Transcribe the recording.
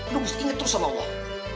lo harus inget terus sama allah